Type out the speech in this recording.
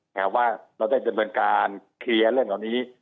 แต่ว่าเราได้ดำเนินการเคลียร์เรื่องเหล่านี้